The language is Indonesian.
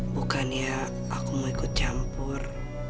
bukannya aku mau ikut campur